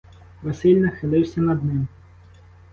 Василь нахилився над ним.